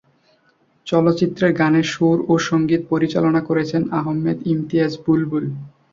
চলচ্চিত্রের গানের সুর ও সঙ্গীত পরিচালনা করেছেন আহমেদ ইমতিয়াজ বুলবুল।